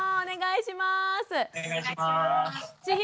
お願いします。